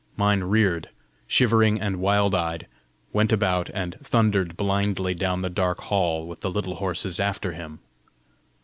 Mine reared, shivering and wild eyed, went about, and thundered blindly down the dark hall, with the little horses after him.